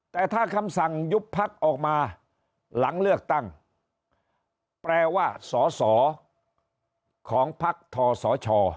แต่ถ้าคำสั่งยุบพักออกมาหลังเลือกตั้งแปลว่าสอสอของพักทศช